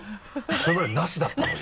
それまで「なし」だったのに。